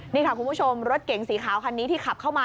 นี่ค่ะคุณผู้ชมรถเก๋งสีขาวคันนี้ที่ขับเข้ามา